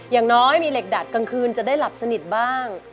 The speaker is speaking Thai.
อย่างน้อยมีเหล็กดัดกลางคืนจะได้หลับสนิทบ้าง